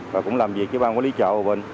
và cũng làm việc với bang quán lý chợ hòa bình